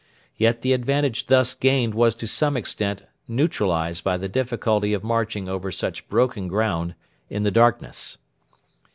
Yet the advantage thus gained was to some extent neutralised by the difficulty of marching over such broken ground in the darkness.